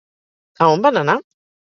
A on van anar?